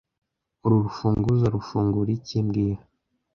Uru rufunguzo rufungura iki mbwira